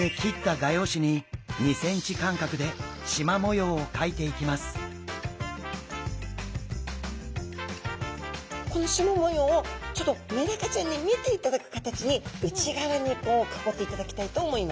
次にそして切ったこのしま模様をちょっとメダカちゃんに見ていただく形に内側にこう囲っていただきたいと思います。